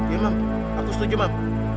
iya mam aku setuju mam